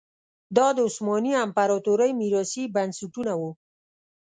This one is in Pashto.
دا د عثماني امپراتورۍ میراثي بنسټونه وو.